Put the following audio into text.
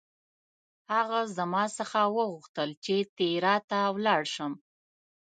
هغه زما څخه وغوښتل چې تیراه ته ولاړ شم.